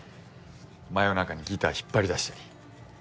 真夜中にギター引っ張り出したり。